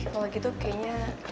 kalau gitu kayaknya